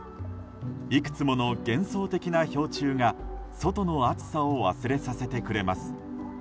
いくつもの幻想的な氷柱が外の暑さを忘れさせてくれます。